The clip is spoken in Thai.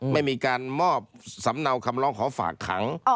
ไม่มีการมอบสำเนาคำร้องขอฝากขัง